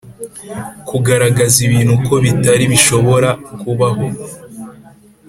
Kugaragaza ibintu uko bitari bishobora kubah